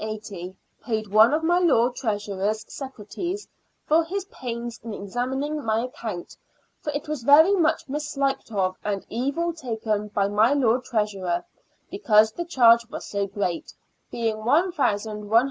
75 " September, 1580, Paid one of my Lord Treasurers secretaries for his pains in examining my account, for it was very much mishked of and evil taken by my Lord Treasurer, because the charge was so great, being £1,160 8s.